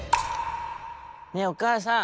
「ねえおかあさん